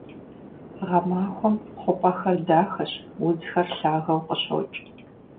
Гъэмахуэм хъупӀэхэр дахэщ, удзхэр лъагэу къыщокӀ.